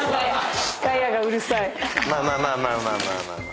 まあまあまあ。